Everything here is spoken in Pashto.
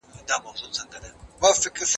زه به اوږده موده سپينکۍ مينځلي وم!.